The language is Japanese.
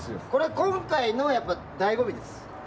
今回の醍醐味です。